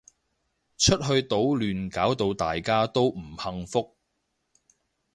出去搗亂搞到大家都唔幸福